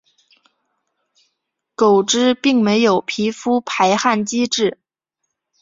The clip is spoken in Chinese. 狗只并没有皮肤排汗机制。